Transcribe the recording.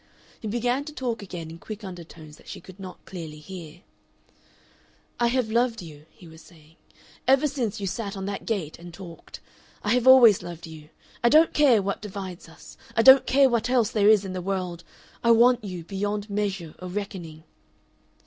He began to talk again in quick undertones that she could not clearly hear. "I have loved you," he was saying, "ever since you sat on that gate and talked. I have always loved you. I don't care what divides us. I don't care what else there is in the world. I want you beyond measure or reckoning...."